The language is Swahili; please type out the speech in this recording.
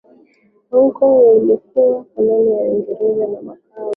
Hong Kong iliyokuwa koloni la Uingereza na Macau